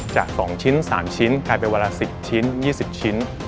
จาก๒ชิ้น๓ชิ้นกลายเป็นเวลา๑๐ชิ้น๒๐ชิ้น